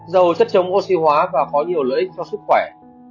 dầu chất chống oxy hóa và có nhiều lợi ích cho sức khỏe